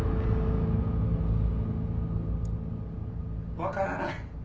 わからない！